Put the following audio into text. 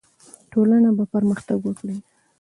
ټولنه به پرمختګ وکړي.